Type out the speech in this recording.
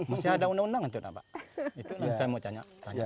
masih ada undang undang itu apa itu yang saya mau tanya